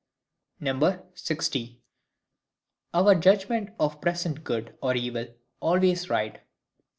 60. Our judgment of present Good or Evil always right.